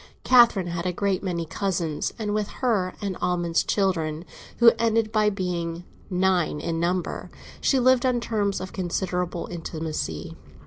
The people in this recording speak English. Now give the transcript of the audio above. Catherine had a great many cousins, and with her Aunt Almond's children, who ended by being nine in number, she lived on terms of considerable intimacy.